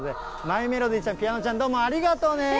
マイメロディちゃん、ピアノちゃん、どうもありがとうね。